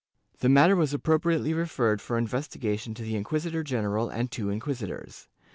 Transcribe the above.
The matter was appropriately referred for investigation to the inquisitor general and two inquisitors.